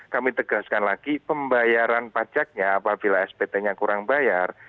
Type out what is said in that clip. kami tegaskan lagi pembayaran pajaknya apabila spt nya kurang bayar